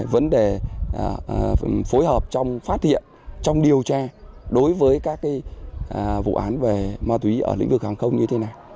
vấn đề phối hợp trong phát hiện trong điều tra đối với các vụ án về ma túy ở lĩnh vực hàng không như thế nào